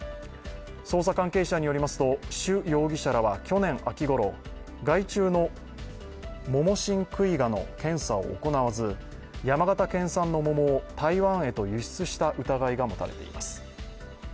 捜査関係者によりますと朱容疑者らは去年秋ごろ害虫のモモシンクイガの検査を行わず、山形県産の桃を台湾へと輸出した疑いが持たれています。